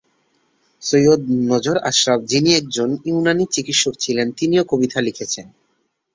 সৈয়দ নজর আশরাফ যিনি একজন ইউনানী চিকিৎসক ছিলেন তিনিও কবিতা লিখেছেন।